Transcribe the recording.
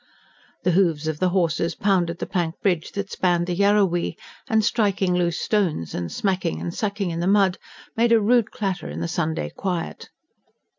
The hoofs of the horses pounded the plank bridge that spanned the Yarrowee, and striking loose stones, and smacking and sucking in the mud, made a rude clatter in the Sunday quiet.